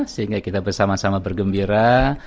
sehingga kita bersama sama bergembira